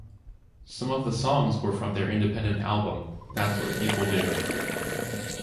Some of the songs were from their independent album, "That's What People Do".